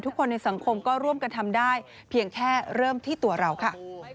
ทุกคนในสังคมก็ร่วมกันทำได้เพียงแค่เริ่มที่ตัวเราค่ะ